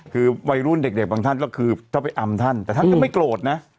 คือวัยรุ่นเด็กบางท่านก็คือถ้าไปอำท่านแต่ท่านก็ไม่โกรธนะ